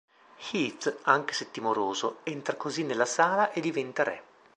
Heath, anche se timoroso, entra così nella sala e diventa re.